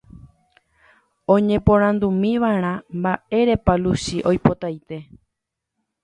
oñeporandúmiva'erã mba'érepa Luchi ipo'aite